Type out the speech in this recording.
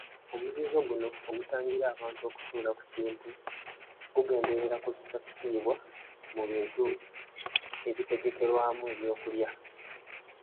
Omuzizo guno ogutangira abantu okutuula ku kintu gugenderera kussa kitiibwa mu bintu ebitegekerwamu ebyokulya.